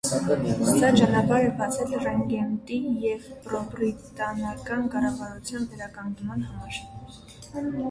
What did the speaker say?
Սա ճանապարհ է բացել ռեգենտի և պրոբրիտանական կառավարության վերականգնման համար։